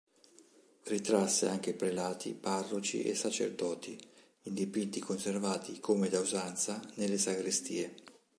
Ritrasse anche prelati, parroci e sacerdoti, in dipinti conservati, come da usanza, nelle sagrestie.